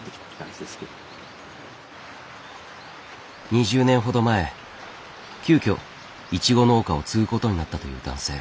２０年ほど前急きょイチゴ農家を継ぐことになったという男性。